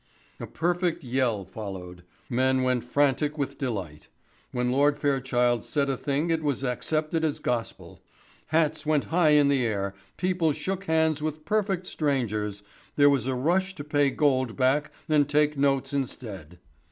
A perfect yell followed. Men went frantic with delight. When Lord Fairchild said a thing it was accepted as gospel. Hats went high in the air, people shook hands with perfect strangers, there was a rush to pay gold back and take notes instead.